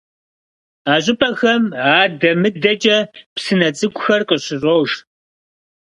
А щӏыпӏэхэм адэ-мыдэкӏэ псынэ цӏыкӏухэр къыщыщӏож.